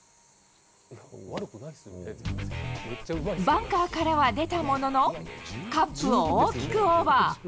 バンカーからは出たものの、カップを大きくオーバー。